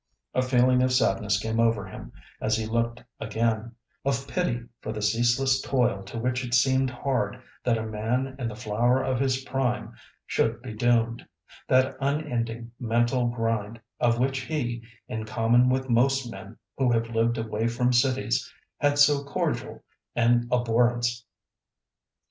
A feeling of sadness came over him, as he looked again—of pity for the ceaseless toil to which it seemed hard that a man in the flower of his prime should be doomed—that unending mental grind, of which he, in common with most men who have lived away from cities, had so cordial an abhorrence.